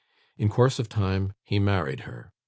In course of time, he married her.